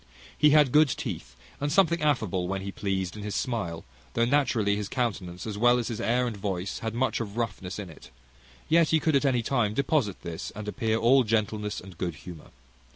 He had good teeth, and something affable, when he pleased, in his smile; though naturally his countenance, as well as his air and voice, had much of roughness in it: yet he could at any time deposit this, and appear all gentleness and good humour.